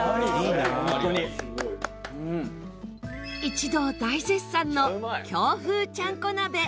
一同大絶賛の京風ちゃんこ鍋。